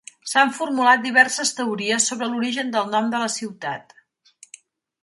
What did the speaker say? S'han formulat diverses teories sobre l'origen del nom de la ciutat.